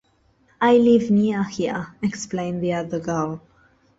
"I live near here," explained the other girl.